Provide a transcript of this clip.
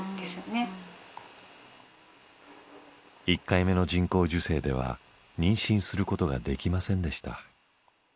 １回目の人工授精では妊娠することができませんでした。